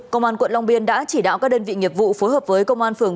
công an quận long biên đã chỉ đạo các đơn vị nghiệp vụ phối hợp với công an phường